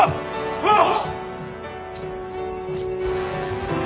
はっ！